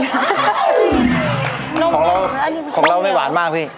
น้ํหวานแล้วแน่น็งของเราไม่หวานมากพี่